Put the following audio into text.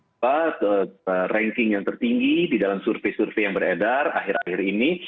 apa ranking yang tertinggi di dalam survei survei yang beredar akhir akhir ini